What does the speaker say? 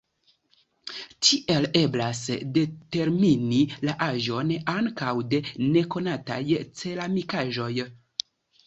Tiel eblas determini la aĝon ankaŭ de nekonataj ceramikaĵoj.